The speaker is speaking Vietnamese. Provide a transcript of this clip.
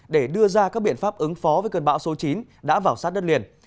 để đưa ra các biện pháp ứng phó với cơn bão số chín đã vào sát đất liền